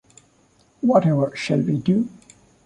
Whatever shall we do?